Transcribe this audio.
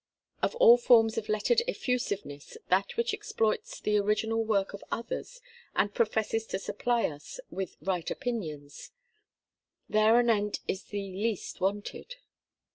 Of all forms of lettered effusiveness that which exploits the original work of others and professes to supply us with right opinions thereanent is the least wanted.